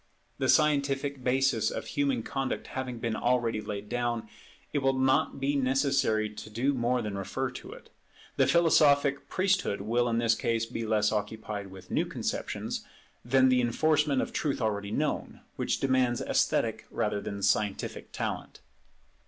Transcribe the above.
The scientific basis of human conduct having been already laid down, it will not be necessary to do more than refer to it. The philosophic priesthood will in this case be less occupied with new conceptions, than with the enforcement of truth already known, which demands esthetic rather than scientific talent.